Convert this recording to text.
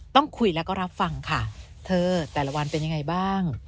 ต้องคุยแล้วก็รับฟังค่ะเธอแต่ละวันเป็นยังไงบ้าง